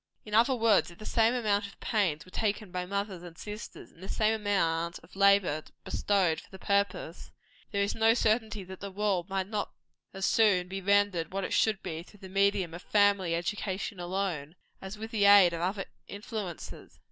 In other words, if the same amount of pains were taken by mothers and sisters, and the same amount of labor bestowed for the purpose, there is no certainty that the world might not as soon be rendered what it should be through the medium of family education alone, as with the aid of other influences.